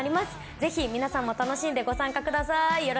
ぜひ皆様、楽しんでご参加ください。